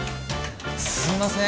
すみません